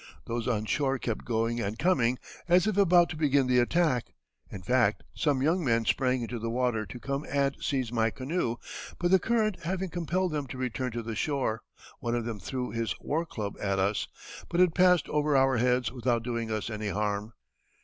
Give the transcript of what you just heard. Those on shore kept going and coming, as if about to begin the attack. In fact, some young men sprang into the water to come and seize my canoe, but the current having compelled them to return to the shore, one of them threw his war club at us, but it passed over our heads without doing us any harm.